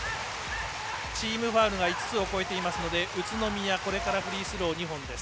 チームファウルが５つを超えていますので宇都宮、これからフリースロー２本です。